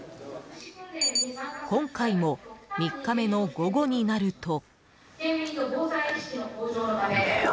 今回も、３日目の午後になると。